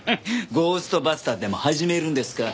ゴーストバスターでも始めるんですか？